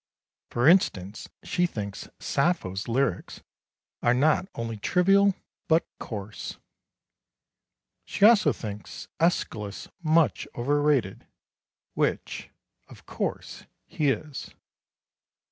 For instance she thinks Sappho's lyrics are not only trivial, but coarse. She also thinks Æschylus much overrated, which, of course, he is.